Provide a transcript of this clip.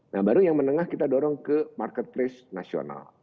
nah baru yang menengah kita dorong ke marketplace nasional